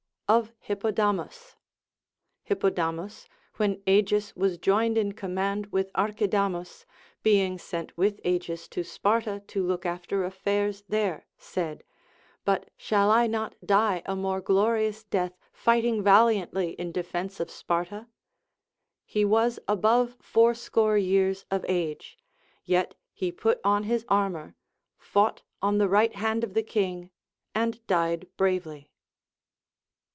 Of Hippodamus. Hippodamus, Avhen Agis was joined in command with Archidamus, being sent with Agis to Sparta to look after affairs there, said. But shall I not die a more glorious death 412 LACONIC APOPHTHEGMS. fighting valiantly in defence of Sparta? He was above fourscore years of age, yet he jDut on his armor, fought on the right hand of the king, and died bravely.